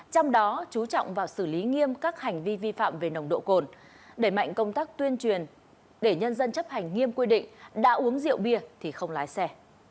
trong đó chú trọng vào xử lý nghiêm các hành vi vi phạm về nồng độ cồn đẩy mạnh công tác tuyên truyền để nhân dân chấp hành nghiêm quy định đã uống rượu bia thì không lái xe